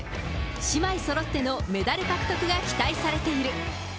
姉妹そろってのメダル獲得が期待されている。